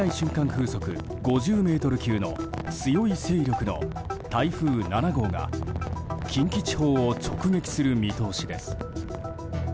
風速５０メートル級の強い勢力の台風７号が近畿地方を直撃する見通しです。